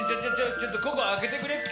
ちょっとここあけてくれんけ。